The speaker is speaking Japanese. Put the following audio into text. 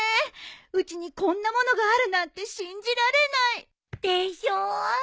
うちにこんな物があるなんて信じられない。でしょ。